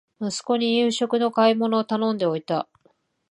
息子に夕食の買い物を頼んでおいた